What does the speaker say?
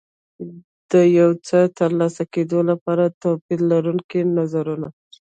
د یو څه ترسره کېدو لپاره توپير لرونکي نظرونه.